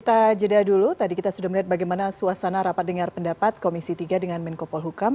kita jeda dulu tadi kita sudah melihat bagaimana suasana rapat dengar pendapat komisi tiga dengan menko polhukam